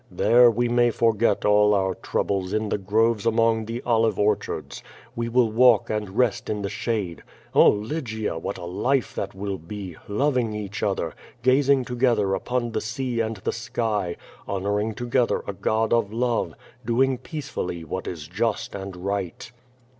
"There we may forget all our troubles in the groves among the olive orchards. We will walk and rest in the shade. Oh, Lygia, what a life that will be, loving each other, gazing to gether upon the sea and the sky, honoring together a God of love, doing peacefully what is just and right."